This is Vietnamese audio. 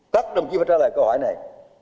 các đồng chí phải trả lời câu hỏi này